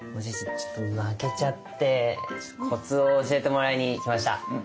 ちょっと負けちゃってコツを教えてもらいに来ました。